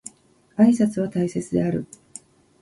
挨拶は大切である